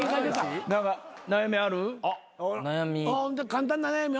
簡単な悩み。